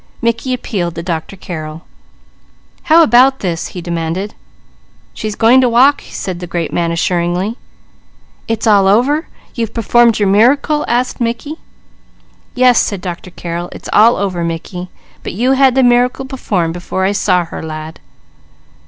Mickey appealed to Dr. Carrel. "How about this?" he demanded. "She's going to walk," said the great man assuringly. "It's all over? You've performed your miracle?" asked Mickey. "Yes," said Dr. Carrel. "It's all over, Mickey; but you had the miracle performed before I saw her, lad."